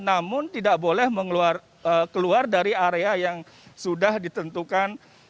namun tidak boleh keluar dari area yang sudah ditentukan